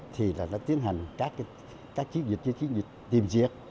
thì là nó tiến hành các chiến dịch các chiến dịch tìm diệt